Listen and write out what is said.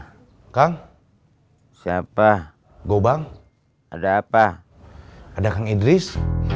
ya kang siapa gobang ada apa ada kang idris